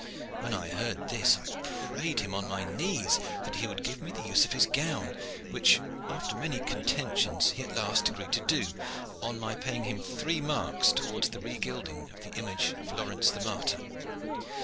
When I heard this I prayed him on my knees that he would give me the use of his gown, which after many contentions he at last agreed to do, on my paying him three marks towards the regilding of the image of Laurence the martyr.